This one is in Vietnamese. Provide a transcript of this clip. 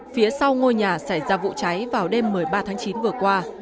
phía sau ngôi nhà xảy ra vụ cháy vào đêm một mươi ba tháng chín vừa qua